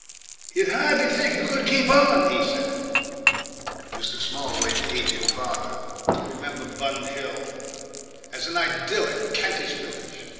"You'd hardly think it could keep on," he said. Mr. Smallways' aged father, could remember Bun Hill as an idyllic Kentish village.